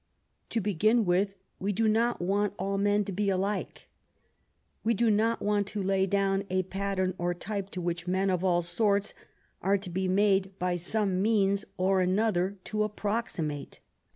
To begin with, we do not want all men to be alike. We do not want to lay down a pattern or type to which men of all sorts are to be made by some means or another to approximate.